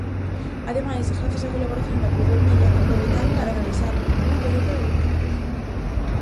Ademais, grazas á colaboración da Cruz Vermella aproveitaron para realizar unha colleita de alimentos.